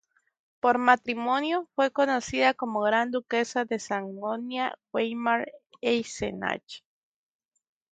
Por matrimonio, fue conocida como Gran Duquesa de Sajonia-Weimar-Eisenach.